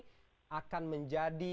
kayaknya ini adalah ruang yang sangat sulit